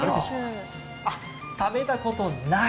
食べたことない？